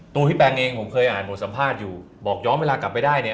พี่แปงเองผมเคยอ่านบทสัมภาษณ์อยู่บอกย้อนเวลากลับไปได้เนี่ย